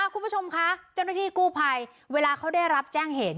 คุณผู้ชมคะเจ้าหน้าที่กู้ภัยเวลาเขาได้รับแจ้งเหตุ